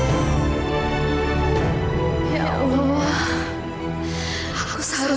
saya akan menangkan dia